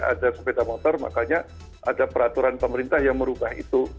ada sepeda motor makanya ada peraturan pemerintah yang merubah itu